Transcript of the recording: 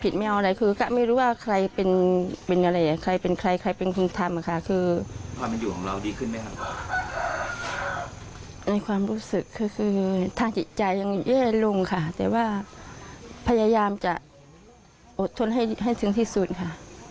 ได้ลุงค่ะแต่ว่าพยายามจะอดทนให้ถึงที่สุดค่ะ